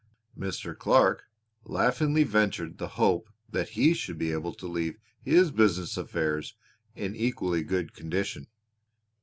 Mr. Clark laughingly ventured the hope that he should be able to leave his business affairs in equally good condition.